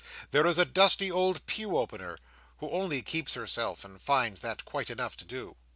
There is a dusty old pew opener who only keeps herself, and finds that quite enough to do.